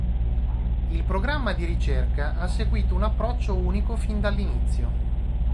Il programma di ricerca ha seguito un approccio unico fin dall'inizio.